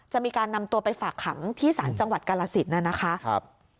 จะมีการนำตัวไปฝากขังที่ศาลจังหวัดกาลสินนะครับ